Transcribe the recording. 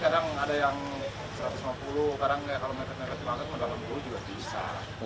kadang kalau mereka negeri cuma lima puluh rupiah juga bisa